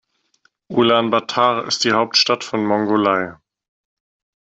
Ulaanbaatar ist die Hauptstadt von Mongolei.